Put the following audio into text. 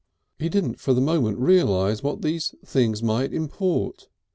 He didn't for the moment realise what these things might import.